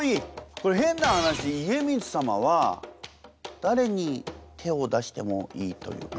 これ変な話家光様は誰に手を出してもいいというか。